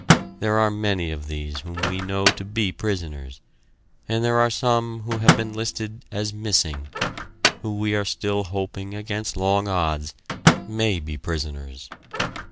There are many of these whom we know to be prisoners, and there are some who have been listed as "missing," who we are still hoping against long odds may be prisoners!